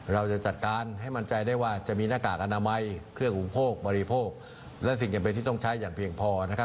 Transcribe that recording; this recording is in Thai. เราจะจัดการให้มั่นใจได้ว่าจะมีหน้ากากอนามัยเครื่องอุปโภคบริโภคและสิ่งจำเป็นที่ต้องใช้อย่างเพียงพอนะครับ